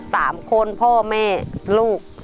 สามคนพ่อแม่ลูก